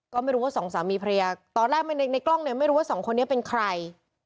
ก็ไม่รู้ว่าสองสามีภรรยาตอนแรกในกล้องเนี่ยไม่รู้ว่าสองคนนี้เป็นใคร